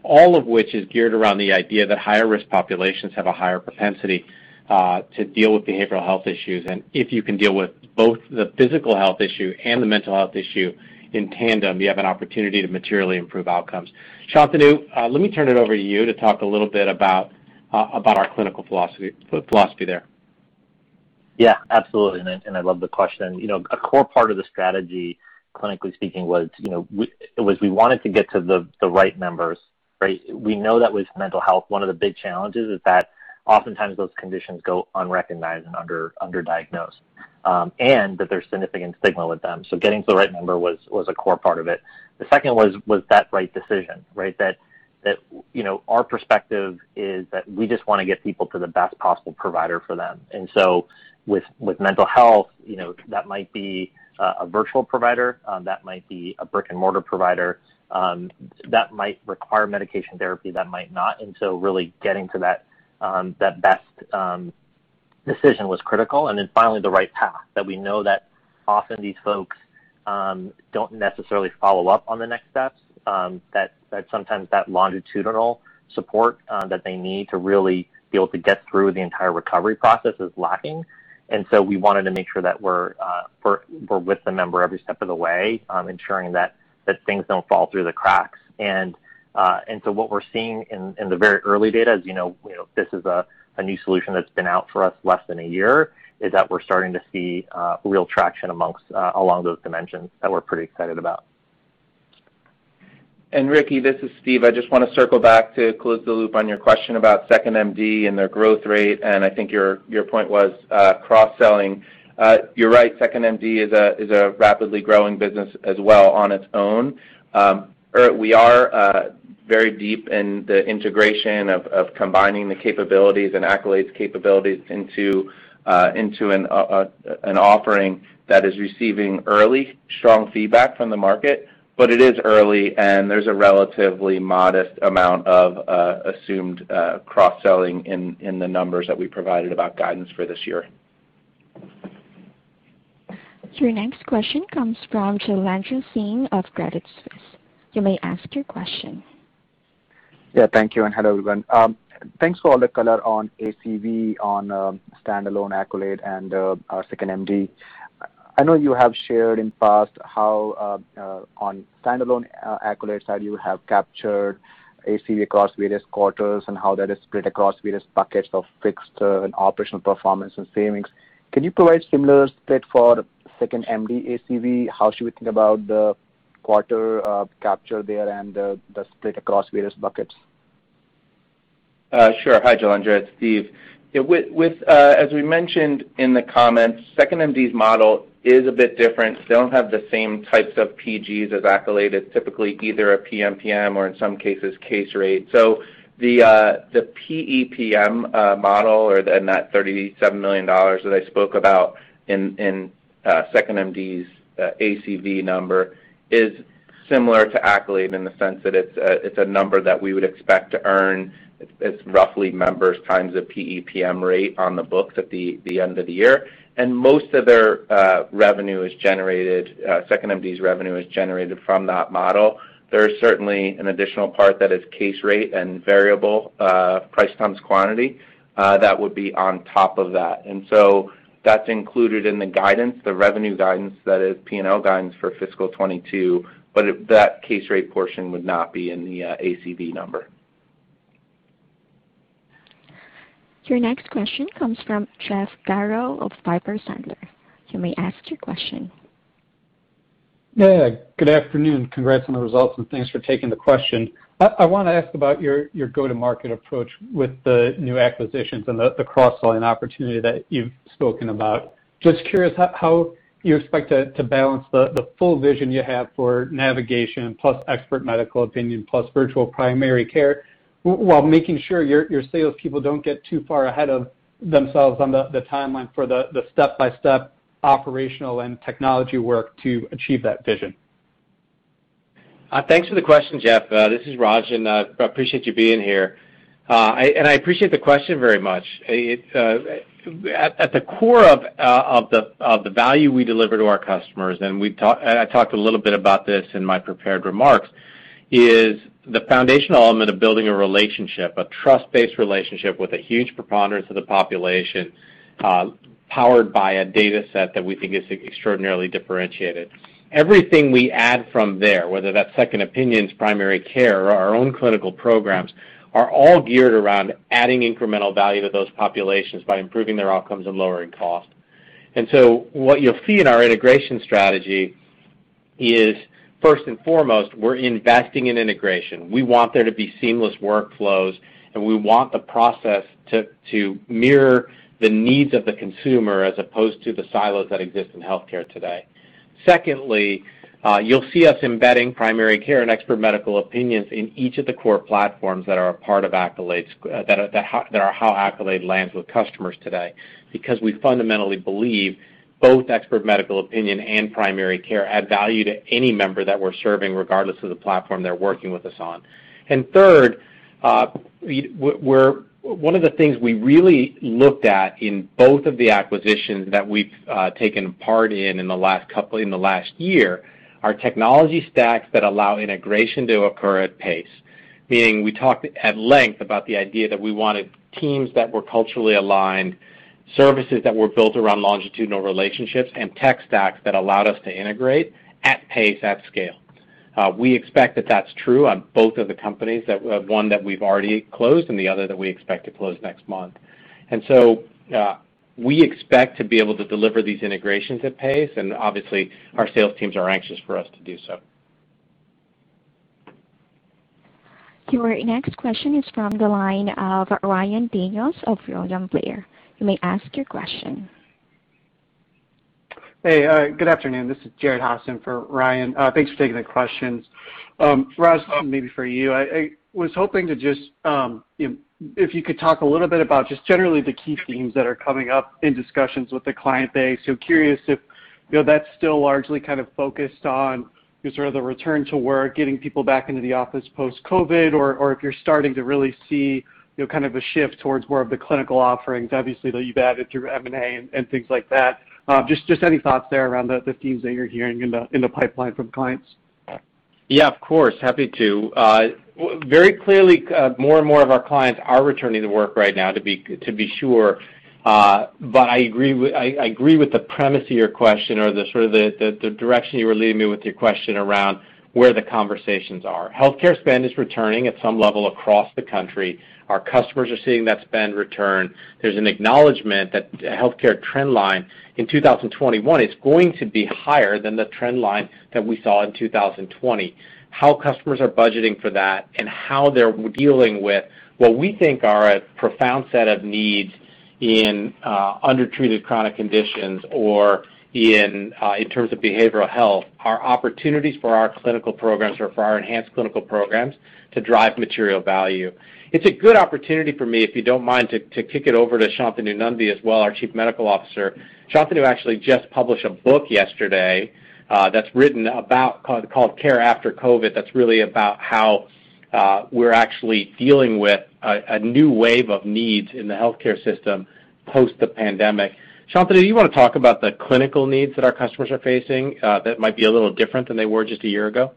all of which is geared around the idea that higher-risk populations have a higher propensity to deal with behavioral health issues. If you can deal with both the physical health issue and the mental health issue in tandem, you have an opportunity to materially improve outcomes. Shantanu, let me turn it over to you to talk a little bit about our clinical philosophy there. Yeah, absolutely. I love the question. A core part of the strategy, clinically speaking, was we wanted to get to the right members, right? We know that with mental health, one of the big challenges is that oftentimes those conditions go unrecognized and under-diagnosed, and that there's significant stigma with them. Getting to the right member was a core part of it. The second was that right decision, right? Our perspective is that we just want to get people to the best possible provider for them. With mental health, that might be a virtual provider, that might be a brick-and-mortar provider, that might require medication therapy, that might not. Really getting to that best decision was critical. Finally, the right path. We know that often these folks don't necessarily follow up on the next steps, that sometimes that longitudinal support that they need to really be able to get through the entire recovery process is lacking. We wanted to make sure that we're with the member every step of the way, ensuring that things don't fall through the cracks. What we're seeing in the very early data, as you know, this is a new solution that's been out for us less than a year, is that we're starting to see real traction along those dimensions that we're pretty excited about. Ricky, this is Steve. I just want to circle back to close the loop on your question about 2nd.MD and their growth rate, and I think your point was cross-selling. You're right, 2nd.MD is a rapidly growing business as well on its own. We are very deep in the integration of combining the capabilities and Accolade's capabilities into an offering that is receiving early, strong feedback from the market, but it is early and there's a relatively modest amount of assumed cross-selling in the numbers that we provided about guidance for this year. Your next question comes from Jailendra Singh of Credit Suisse. You may ask your question. Yeah, thank you, and hello, everyone. Thanks for all the color on ACV, on standalone Accolade and 2nd.MD. I know you have shared in past how on standalone Accolade side, you have captured ACV across various quarters and how that is split across various buckets of fixed and operational performance and savings. Can you provide similar split for 2nd.MD ACV? How should we think about the quarter capture there and the split across various buckets? Sure. Hi, Jailendra. It's Steve. As we mentioned in the comments, 2nd.MD's model is a bit different. They don't have the same types of PGs as Accolade. It's typically either a PMPM or in some cases, case rate. The PEPM model or in that $37 million that I spoke about in 2nd.MD's ACV number is similar to Accolade in the sense that it's a number that we would expect to earn. It's roughly members times the PEPM rate on the books at the end of the year. Most of 2nd.MD's revenue is generated from that model. There is certainly an additional part that is case rate and variable, price times quantity, that would be on top of that. That's included in the guidance, the revenue guidance, that is P&L guidance for fiscal 2022. That case rate portion would not be in the ACV number. Your next question comes from Jeff Garro of Piper Sandler. You may ask your question. Yeah. Good afternoon. Congrats on the results, and thanks for taking the question. I want to ask about your go-to-market approach with the new acquisitions and the cross-selling opportunity that you've spoken about. Just curious how you expect to balance the full vision you have for navigation, plus expert medical opinion, plus virtual primary care, while making sure your sales people don't get too far ahead of themselves on the timeline for the step-by-step operational and technology work to achieve that vision. Thanks for the question, Jeff. This is Raj, and I appreciate you being here. I appreciate the question very much. At the core of the value we deliver to our customers, and I talked a little bit about this in my prepared remarks, is the foundational element of building a relationship, a trust-based relationship with a huge preponderance of the population, powered by a data set that we think is extraordinarily differentiated. Everything we add from there, whether that's second opinions, primary care, or our own clinical programs, are all geared around adding incremental value to those populations by improving their outcomes and lowering cost. What you'll see in our integration strategy is, first and foremost, we're investing in integration. We want there to be seamless workflows, and we want the process to mirror the needs of the consumer as opposed to the silos that exist in healthcare today. Secondly, you'll see us embedding primary care and expert medical opinions in each of the core platforms that are a part of how Accolade lands with customers today, because we fundamentally believe both expert medical opinion and primary care add value to any member that we're serving, regardless of the platform they're working with us on. Third, one of the things we really looked at in both of the acquisitions that we've taken part in the last year, are technology stacks that allow integration to occur at pace. Meaning we talked at length about the idea that we wanted teams that were culturally aligned, services that were built around longitudinal relationships, and tech stacks that allowed us to integrate at pace, at scale. We expect that that's true on both of the companies, one that we've already closed and the other that we expect to close next month. We expect to be able to deliver these integrations at pace, and obviously, our sales teams are anxious for us to do so. Your next question is from the line of Ryan Daniels of William Blair. You may ask your question. Hey, good afternoon. This is Jared Haase for Ryan. Thanks for taking the questions. Raj, this is maybe for you. I was hoping if you could talk a little bit about generally the key themes that are coming up in discussions with the client base. Curious if that's still largely focused on the return to work, getting people back into the office post-COVID, or if you're starting to really see a shift towards more of the clinical offerings, obviously, that you've added through M&A and things like that. Any thoughts there around the themes that you're hearing in the pipeline from clients? Yeah, of course. Happy to. Very clearly, more and more of our clients are returning to work right now, to be sure. I agree with the premise of your question or the direction you were leading me with your question around where the conversations are. Healthcare spend is returning at some level across the country. Our customers are seeing that spend return. There's an acknowledgment that the healthcare trend line in 2021 is going to be higher than the trend line that we saw in 2020. How customers are budgeting for that and how they're dealing with what we think are a profound set of needs in undertreated chronic conditions or in terms of behavioral health are opportunities for our clinical programs or for our enhanced clinical programs to drive material value. It's a good opportunity for me, if you don't mind, to kick it over to Shantanu Nundy as well, our Chief Medical Officer. Shantanu actually just published a book yesterday, that's written about, called "Care After COVID," that's really about how we're actually dealing with a new wave of needs in the healthcare system post the pandemic. Shantanu, do you want to talk about the clinical needs that our customers are facing, that might be a little different than they were just a year ago?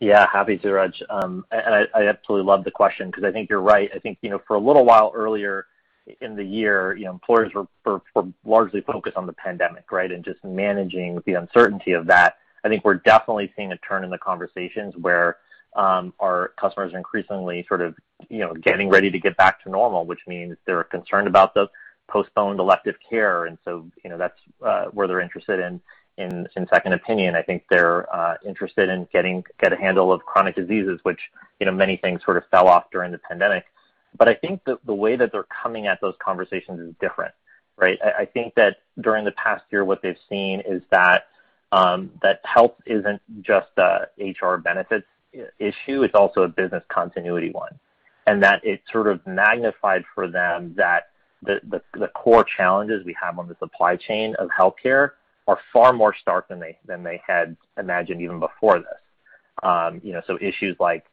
Yeah, happy to, Raj. I absolutely love the question because I think you're right. I think for a little while earlier in the year, employers were largely focused on the pandemic, right? Just managing the uncertainty of that. I think we're definitely seeing a turn in the conversations where our customers are increasingly getting ready to get back to normal, which means they're concerned about the postponed elective care, and so that's where they're interested in second opinion. I think they're interested in getting a handle of chronic diseases, which many things sort of fell off during the pandemic. I think that the way that they're coming at those conversations is different, right? I think that during the past year, what they've seen is that health isn't just a HR benefits issue, it's also a business continuity one. It sort of magnified for them that the core challenges we have on the supply chain of healthcare are far more stark than they had imagined even before this. Issues like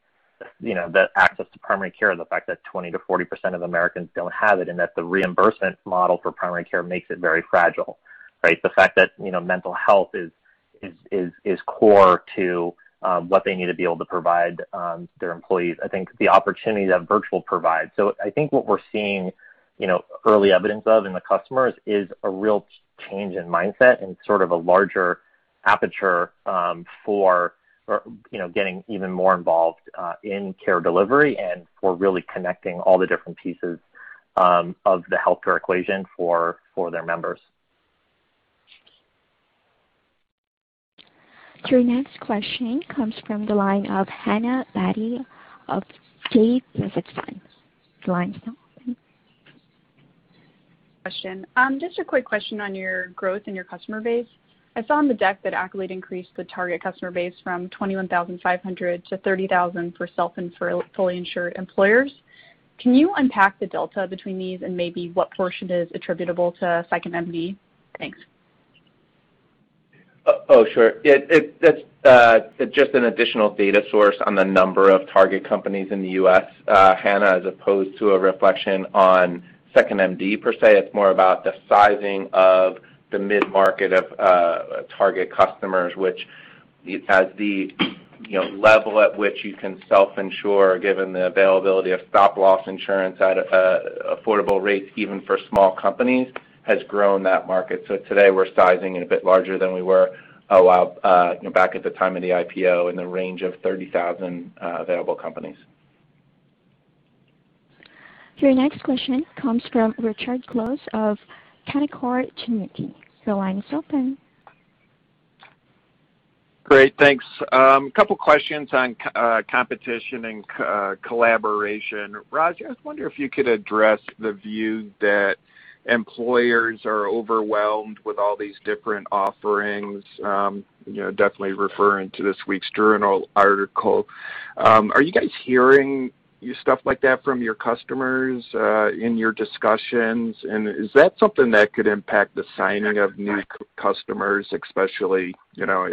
the access to primary care, the fact that 20%-40% of Americans don't have it, and that the reimbursement model for primary care makes it very fragile, right? The fact that mental health is core to what they need to be able to provide their employees. I think the opportunity that virtual provides. I think what we're seeing early evidence of in the customers is a real change in mindset and sort of a larger aperture for getting even more involved in care delivery and for really connecting all the different pieces of the healthcare equation for their members. Your next question comes from the line of Hannah Baade of D.A. Davidson. The line is now open. Question. Just a quick question on your growth and your customer base. I saw on the deck that Accolade increased the target customer base from 21,500-30,000 for self and for fully insured employers. Can you unpack the delta between these and maybe what portion is attributable to 2nd.MD? Thanks. Oh, sure. That's just an additional data source on the number of target companies in the U.S., Hannah, as opposed to a reflection on 2nd.MD per se. It's more about the sizing of the mid-market of target customers, which as the level at which you can self-insure, given the availability of stop-loss insurance at affordable rates, even for small companies, has grown that market. Today, we're sizing it a bit larger than we were a while back at the time of the IPO in the range of 30,000 available companies. Your next question comes from Richard Close of Canaccord Genuity. Your line is open. Great, thanks. Couple questions on competition and collaboration. Raj, I was wondering if you could address the view that employers are overwhelmed with all these different offerings, definitely referring to this week's Journal article. Are you guys hearing stuff like that from your customers in your discussions? Is that something that could impact the signing of new customers, especially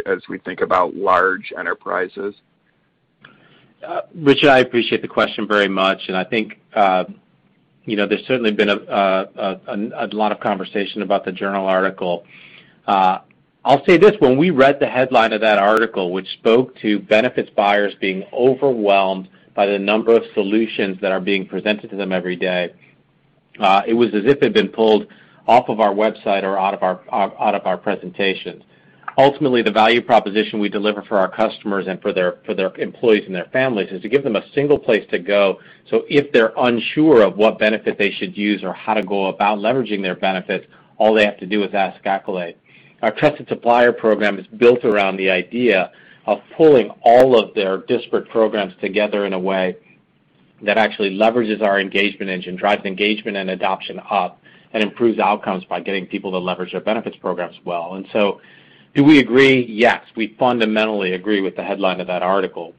as we think about large enterprises? Richard, I appreciate the question very much, and I think there's certainly been a lot of conversation about the Journal article. I'll say this, when we read the headline of that article, which spoke to benefits buyers being overwhelmed by the number of solutions that are being presented to them every day, it was as if it had been pulled off of our website or out of our presentation. Ultimately, the value proposition we deliver for our customers and for their employees and their families is to give them a single place to go, so if they're unsure of what benefit they should use or how to go about leveraging their benefits, all they have to do is ask Accolade. Our trusted supplier program is built around the idea of pulling all of their disparate programs together in a way that actually leverages our engagement engine, drives engagement and adoption up, and improves outcomes by getting people to leverage their benefits programs well. Do we agree? Yes. We fundamentally agree with the headline of that article.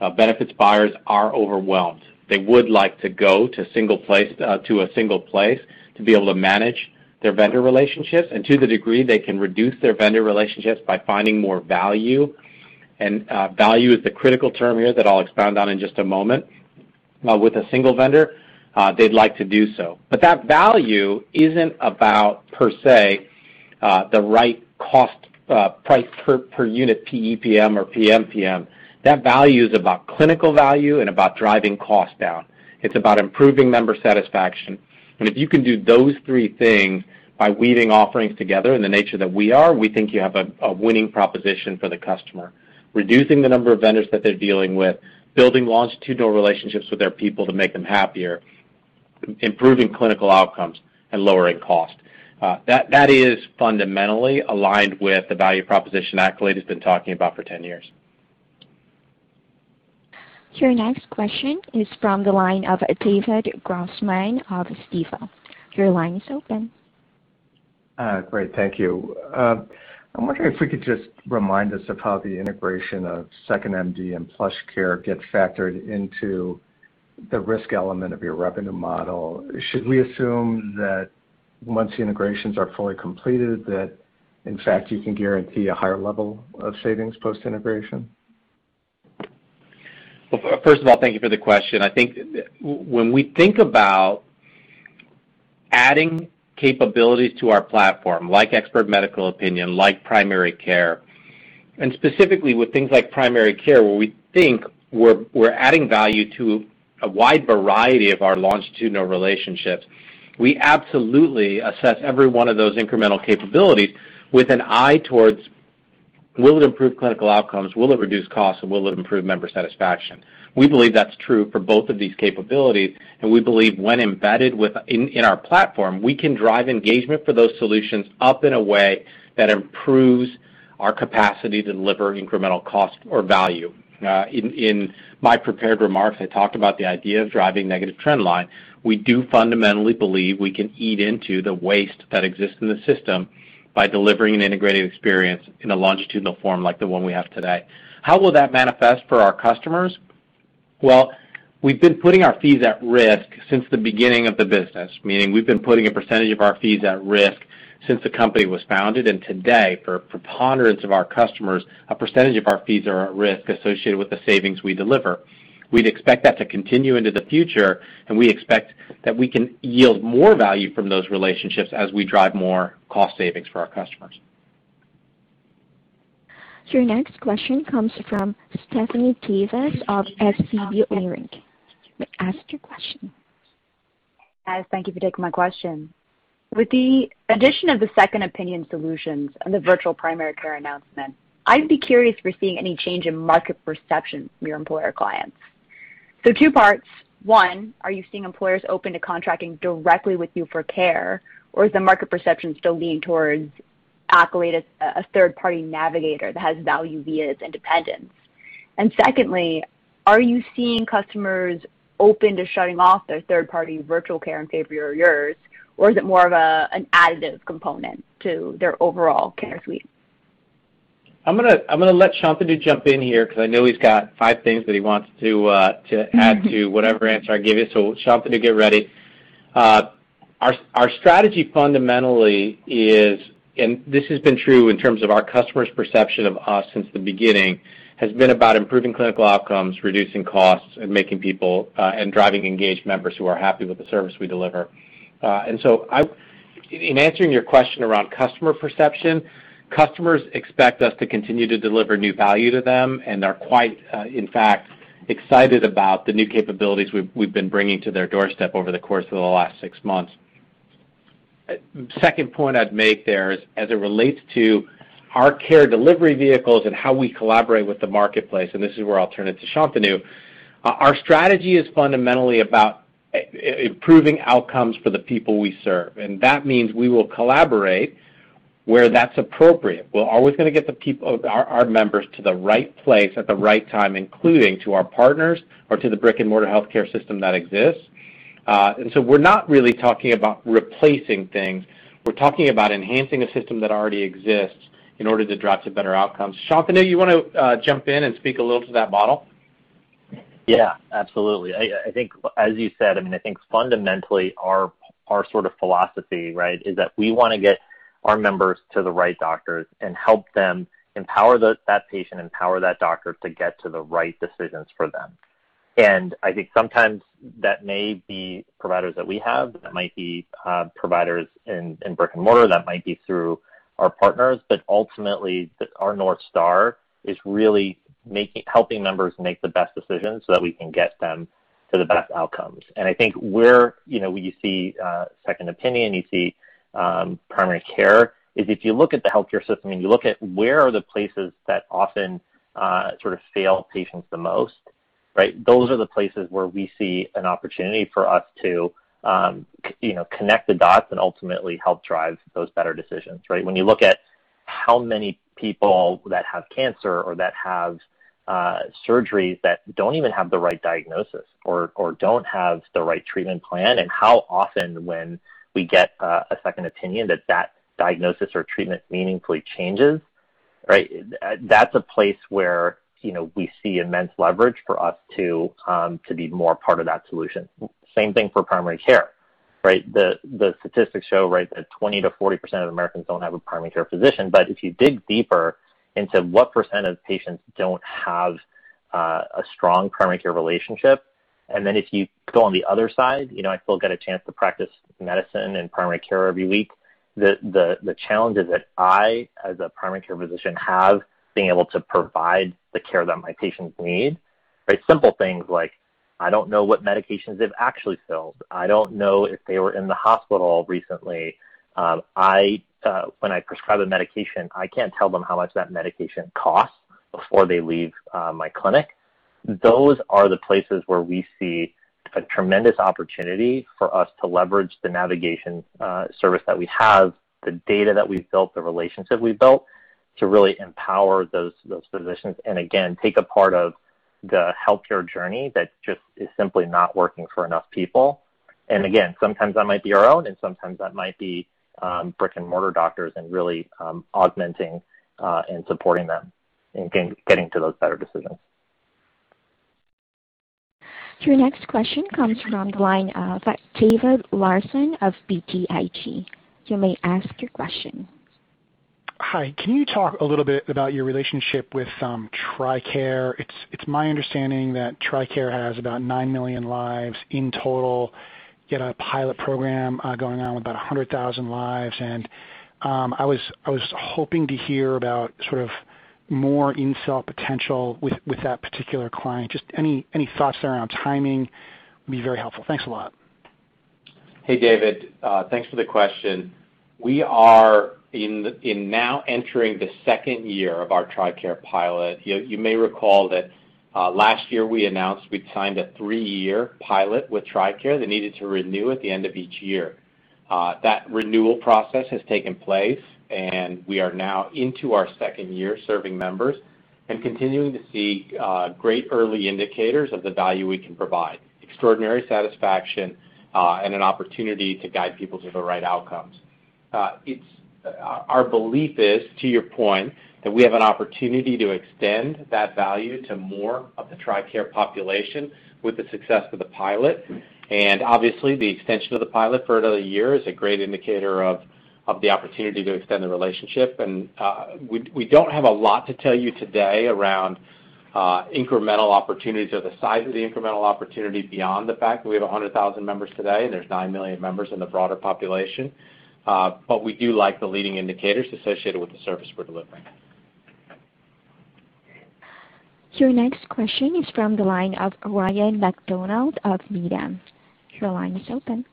Benefits buyers are overwhelmed. They would like to go to a single place to be able to manage their vendor relationships, and to the degree they can reduce their vendor relationships by finding more value. Value is the critical term here that I'll expound on in just a moment. With a single vendor, they'd like to do so. That value isn't about, per se, the right cost price per unit PEPM or PMPM. That value is about clinical value and about driving costs down. It's about improving member satisfaction. If you can do those three things by weaving offerings together in the nature that we are, we think you have a winning proposition for the customer. Reducing the number of vendors that they're dealing with, building longitudinal relationships with their people to make them happier, improving clinical outcomes, and lowering cost. That is fundamentally aligned with the value proposition Accolade has been talking about for 10 years. Your next question is from the line of David Grossman of Stifel. Your line is open. Great, thank you. I'm wondering if we could just remind us of how the integration of 2nd.MD and PlushCare gets factored into the risk element of your revenue model. Should we assume that once the integrations are fully completed, that in fact, you can guarantee a higher level of savings post-integration? First of all, thank you for the question. I think when we think about adding capabilities to our platform, like expert medical opinion, like primary care, and specifically with things like primary care, where we think we're adding value to a wide variety of our longitudinal relationships. We absolutely assess every one of those incremental capabilities with an eye towards will it improve clinical outcomes? Will it reduce costs, and will it improve member satisfaction? We believe that's true for both of these capabilities, and we believe when embedded in our platform, we can drive engagement for those solutions up in a way that improves our capacity to deliver incremental cost or value. In my prepared remarks, I talked about the idea of driving negative trend line. We do fundamentally believe we can eat into the waste that exists in the system by delivering an integrated experience in a longitudinal form like the one we have today. How will that manifest for our customers? Well, we've been putting our fees at risk since the beginning of the business, meaning we've been putting a percentage of our fees at risk since the company was founded. Today, for a preponderance of our customers, a percentage of our fees are at risk associated with the savings we deliver. We'd expect that to continue into the future, and we expect that we can yield more value from those relationships as we drive more cost savings for our customers. Your next question comes from Stephanie Davis of SVB Leerink. You may ask your question. Guys, thank you for taking my question. With the addition of the second opinion solutions and the virtual primary care announcement, I'd be curious if we're seeing any change in market perception from your employer clients. Two parts. One, are you seeing employers open to contracting directly with you for care, or is the market perception still leaning towards Accolade as a third-party navigator that has value via its independence? Secondly, are you seeing customers open to shutting off their third-party virtual care in favor of yours, or is it more of an additive component to their overall care suite? I'm going to let Shantanu jump in here because I know he's got five things that he wants to add to whatever answer I give you. Shantanu, get ready. Our strategy fundamentally is, and this has been true in terms of our customers' perception of us since the beginning, has been about improving clinical outcomes, reducing costs, and driving engaged members who are happy with the service we deliver. In answering your question around customer perception, customers expect us to continue to deliver new value to them and are quite, in fact, excited about the new capabilities we've been bringing to their doorstep over the course of the last six months. Second point I'd make there is as it relates to our care delivery vehicles and how we collaborate with the marketplace, this is where I'll turn it to Shantanu. Our strategy is fundamentally about improving outcomes for the people we serve, and that means we will collaborate where that's appropriate. We're always going to get our members to the right place at the right time, including to our partners or to the brick-and-mortar healthcare system that exists. We're not really talking about replacing things. We're talking about enhancing a system that already exists in order to drive to better outcomes. Shantanu, you want to jump in and speak a little to that model? Absolutely. I think, as you said, I think fundamentally our sort of philosophy is that we want to get our members to the right doctors and help them empower that patient, empower that doctor to get to the right decisions for them. I think sometimes that may be providers that we have, that might be providers in brick and mortar, that might be through our partners. Ultimately, our North Star is really helping members make the best decisions so that we can get them to the best outcomes. I think where you see second opinion, you see primary care, is if you look at the healthcare system and you look at where are the places that often sort of fail patients the most, those are the places where we see an opportunity for us to connect the dots and ultimately help drive those better decisions. When you look at how many people that have cancer or that have surgeries that don't even have the right diagnosis or don't have the right treatment plan, and how often when we get a second opinion that that diagnosis or treatment meaningfully changes, that's a place where we see immense leverage for us to be more a part of that solution. Same thing for primary care. The statistics show that 20%-40% of Americans don't have a primary care physician. If you dig deeper into what percent of patients don't have a strong primary care relationship, and then if you go on the other side, I still get a chance to practice medicine and primary care every week. The challenges that I, as a primary care physician, have being able to provide the care that my patients need. Simple things like, I don't know what medications they've actually filled. I don't know if they were in the hospital recently. When I prescribe a medication, I can't tell them how much that medication costs before they leave my clinic. Those are the places where we see a tremendous opportunity for us to leverage the navigation service that we have, the data that we've built, the relationships we've built to really empower those physicians and again, take a part of the healthcare journey that just is simply not working for enough people. Again, sometimes that might be our own, and sometimes that might be brick-and-mortar doctors and really augmenting and supporting them in getting to those better decisions. Your next question comes from the line of David Larsen of BTIG. You may ask your question. Hi. Can you talk a little bit about your relationship with TRICARE? It's my understanding that TRICARE has about nine million lives in total, yet a pilot program going on with about 100,000 lives. I was hoping to hear about sort of more in-sell potential with that particular client. Just any thoughts there on timing would be very helpful. Thanks a lot. Hey, David. Thanks for the question. We are now entering the second year of our TRICARE pilot. You may recall that last year we announced we'd signed a three-year pilot with TRICARE that needed to renew at the end of each year. That renewal process has taken place, and we are now into our second year serving members and continuing to see great early indicators of the value we can provide, extraordinary satisfaction, and an opportunity to guide people to the right outcomes. Our belief is, to your point, that we have an opportunity to extend that value to more of the TRICARE population with the success of the pilot. Obviously, the extension of the pilot for another year is a great indicator of the opportunity to extend the relationship. We don't have a lot to tell you today around incremental opportunities or the size of the incremental opportunity beyond the fact that we have 100,000 members today, and there's nine million members in the broader population. We do like the leading indicators associated with the service we're delivering. Your next question is from the line of Ryan MacDonald of Needham. Your line is open.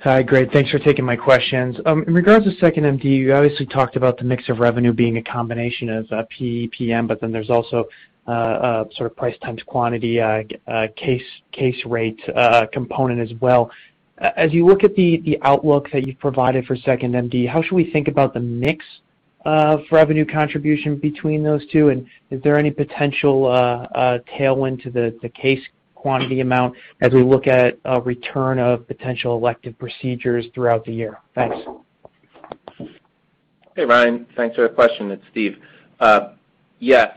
Hi, great. Thanks for taking my questions. In regards to 2nd.MD, you obviously talked about the mix of revenue being a combination of PEPM, but then there's also a sort of price times quantity, case rate component as well. As you look at the outlook that you've provided for 2nd.MD, how should we think about the mix of revenue contribution between those two? Is there any potential tailwind to the case quantity amount as we look at a return of potential elective procedures throughout the year? Thanks. Hey, Ryan. Thanks for the question. It's Steve. Yes.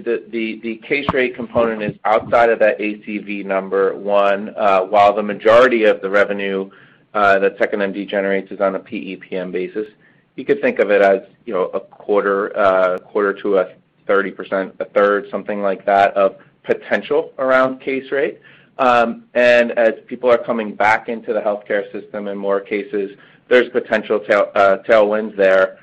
The case rate component is outside of that ACV number, one, while the majority of the revenue that 2nd.MD generates is on a PEPM basis. You could think of it as a quarter to a 30%, a third, something like that, of potential around case rate. As people are coming back into the healthcare system in more cases, there's potential tailwinds there.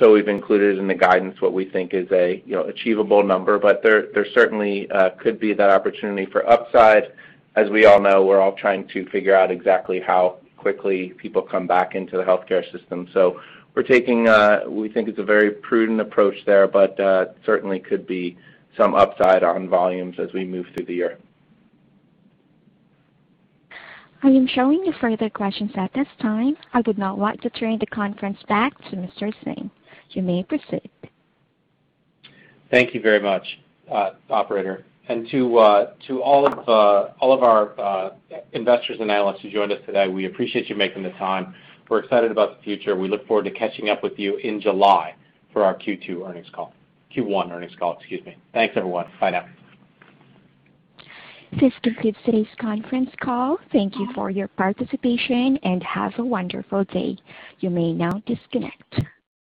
We've included in the guidance what we think is an achievable number, but there certainly could be that opportunity for upside. As we all know, we're all trying to figure out exactly how quickly people come back into the healthcare system. We think it's a very prudent approach there, but certainly could be some upside on volumes as we move through the year. I am showing no further questions at this time. I would now like to turn the conference back to Mr. Singh. You may proceed. Thank you very much, operator. To all of our investors and analysts who joined us today, we appreciate you making the time. We're excited about the future. We look forward to catching up with you in July for our Q2 earnings call. Q1 earnings call, excuse me. Thanks, everyone. Bye now. This concludes today's conference call. Thank you for your participation, and have a wonderful day. You may now disconnect.